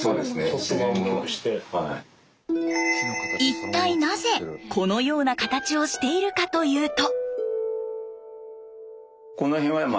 一体なぜこのような形をしているかというと。